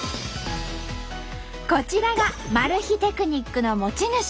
こちらがマル秘テクニックの持ち主。